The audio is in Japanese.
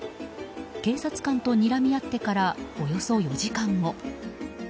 警察官とにらみ合ってからおよそ４時間後。